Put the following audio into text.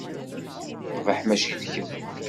Teqbeḥ mačči d kra.